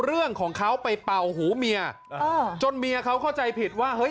เรื่องของเขาไปเป่าหูเมียจนเมียเขาเข้าใจผิดว่าเฮ้ย